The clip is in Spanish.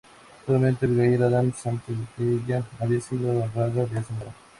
Solamente Abigail Adams antes que ella, había sido honrada de esa manera.